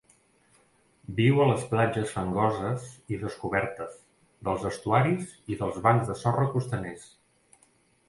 Viu a les platges fangoses i descobertes, dels estuaris i dels bancs de sorra costaners.